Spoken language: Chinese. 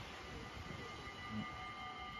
毛人凤随即派北平督察王蒲臣秘密侦查。